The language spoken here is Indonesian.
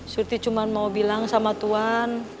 suti cuma mau bilang sama tuhan